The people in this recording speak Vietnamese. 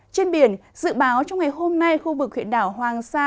trên biển dự báo trong ngày hôm nay khu vực huyện đảo hoàng sa